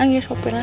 aku ya sopir aja